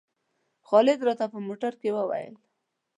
خالد راته په موټر کې وویل.